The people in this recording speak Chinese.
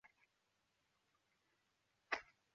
联合国地理区划列表阐述联合国如何为世界各地作。